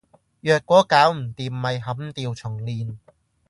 若果搞唔掂，咪砍掉重練